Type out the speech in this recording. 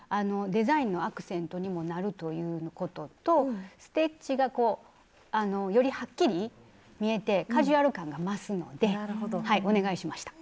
デザインのアクセントにもなるということとステッチがこうよりはっきり見えてカジュアル感が増すのでお願いしました。